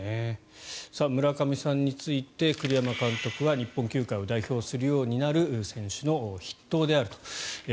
村上さんについて栗山監督は日本球界を代表するようになる選手の筆頭であると。